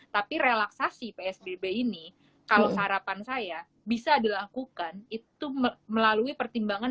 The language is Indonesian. tapi relaksasi psbb ini kalau harapan saya bisa dilakukan itu melalui pertimbangan